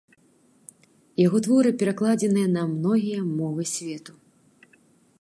Яго творы перакладзены на многія мовы свету.